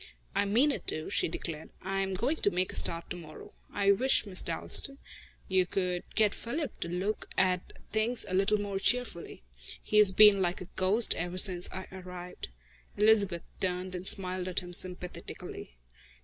"I mean it to," she declared. "I am going to make a start to morrow. I wish, Miss Dalstan, you could get Philip to look at things a little more cheerfully. He has been like a ghost ever since I arrived." Elizabeth turned and smiled at him sympathetically.